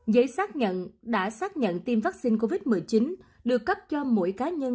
giấy xác nhận đã xác nhận tiêm vaccine covid một mươi chín được cấp cho mỗi cá nhân